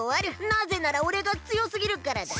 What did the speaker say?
なぜならおれがつよすぎるからだ！